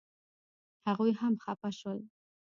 هغوی هم خپه شول.